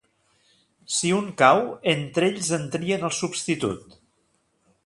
Si un cau, entre ells en trien el substitut.